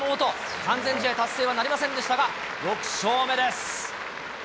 完全試合達成はなりませんでしたが、６勝目です。